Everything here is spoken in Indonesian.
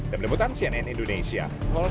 demi demi tansi nn indonesia